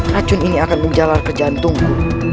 racun ini akan menjalar kerjaan tunggu